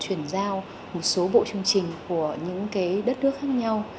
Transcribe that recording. chúng tôi đã truyền giao một số bộ chương trình của những đất nước khác nhau